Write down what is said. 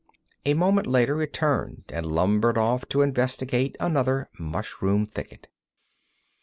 A moment later it turned and lumbered off to investigate another mushroom thicket.